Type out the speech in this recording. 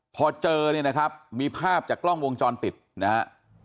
พอเจอเนี่ยนะครับมีภาพจากกล้องวงจรปิดนะฮะ